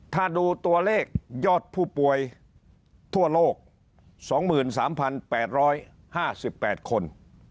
ถ้าดูตัวเลขยอดผู้ป่วยทั่วโลก๒๓๘๕๘คน